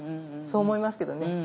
そう思いますけどね。